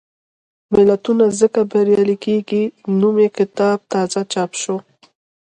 ملتونه څنګه بریالي کېږي؟ نومي کتاب تازه چاپ شو.